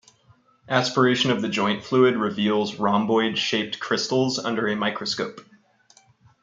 Aspiration of the joint fluid reveals rhomboid-shaped crystals under a microscope.